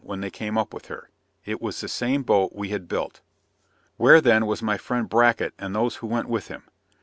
when they came up with her it was the same boat we had built! Where then was my friend Bracket and those who went with him?